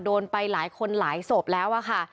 โดนไปหลายคนหลายศพแล้วอะค่ะ